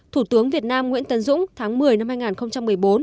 thủ tướng việt nam nguyễn tấn dũng tháng một mươi năm hai nghìn một mươi bốn